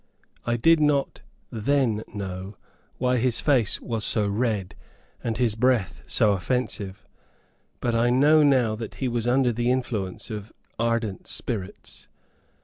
I did not then know why his face was so red, and his breath so offensive, but I now know that he was under the influence of ardent spirits.